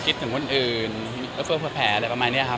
เอ่อคิดถึงคนอื่นแฟร์แผลอะไรประมาณเนี้ยครับ